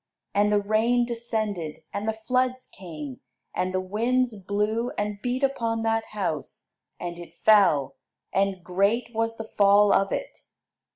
And the rain descended, and the floods came, and the winds blew, and beat upon that house, and it fell, and great was the fall of it."